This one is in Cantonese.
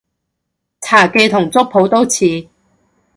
茶記同粥舖都似